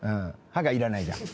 歯がいらないじゃん。